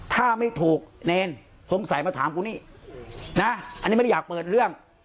ถ้าไม่ถูกเนรสงสัยมาถามกูนี่นะอันนี้ไม่ได้อยากเปิดเรื่อง